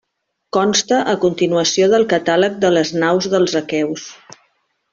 Consta a continuació del catàleg de les naus dels aqueus.